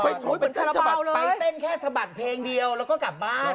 ไปเต้นแค่สะบัดเพลงเดียวแล้วก็กลับบ้าน